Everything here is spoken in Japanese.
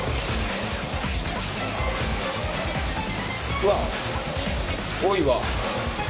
うわっ多いわ。